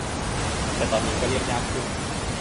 แต่ตอนนี้ก็เลี่ยงยากขึ้น